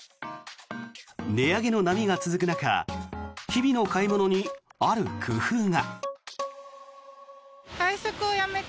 値上げの波が続く中日々の買い物に、ある工夫が。